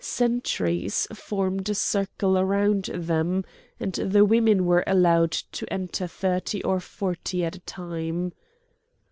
Sentries formed a circle round them, and the women were allowed to enter thirty or forty at a time.